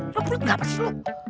lo perut gak perseluk